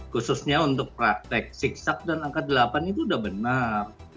khususnya untuk praktek zigzag dan angka delapan itu sudah benar